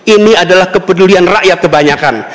ini adalah kepedulian rakyat kebanyakan